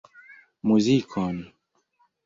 Muzikon.